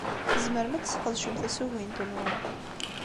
Tzemrem ad tesqedcem tasugint-nwen.